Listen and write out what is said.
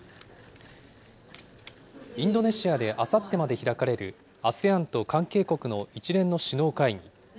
インドネシアであさってまで開かれるＡＳＥＡＮと関係国の一連の首脳会議。